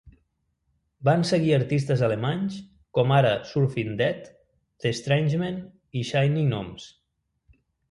Van seguir artistes alemanys com ara Surfin' Dead, The Strangemen i Shiny Gnomes.